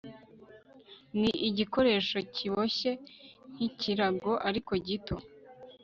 ni igikoresho kiboshye nk'ikirago ariko gito